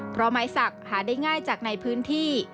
เพราะไม้สักหาได้ง่ายจากในพื้นที่